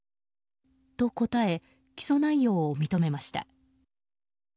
と答え起訴内容を認めました。